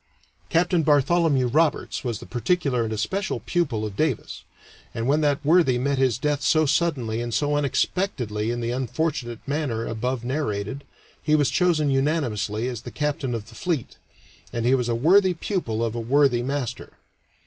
Capt. Bartholomew Roberts was the particular and especial pupil of Davis, and when that worthy met his death so suddenly and so unexpectedly in the unfortunate manner above narrated, he was chosen unanimously as the captain of the fleet, and he was a worthy pupil of a worthy master.